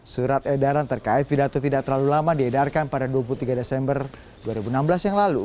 surat edaran terkait pidato tidak terlalu lama diedarkan pada dua puluh tiga desember dua ribu enam belas yang lalu